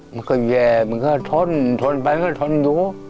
มันก็แย่มันก็ทนทนไปมันก็ทนอยู่